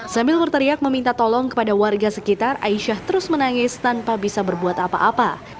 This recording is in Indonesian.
sambil berteriak meminta tolong kepada warga sekitar aisyah terus menangis tanpa bisa berbuat apa apa